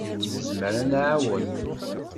Nezmer ad d-nɛawen.